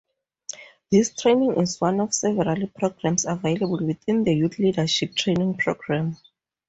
This training is one of several programs available within the youth leadership training program.